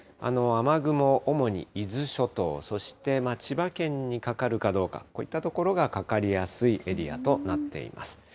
雨雲、主に伊豆諸島、そして千葉県にかかるかどうか、こういった所がかかりやすいエリアとなっています。